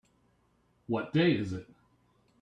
What day is it?